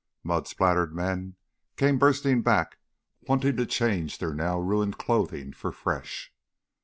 Mud spattered men came bursting back, wanting to change their now ruined clothing for fresh.